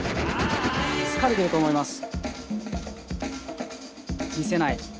疲れてると思います。